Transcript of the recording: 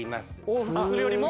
往復するよりも。